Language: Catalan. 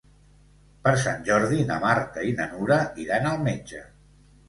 Per Sant Jordi na Marta i na Nura iran al metge.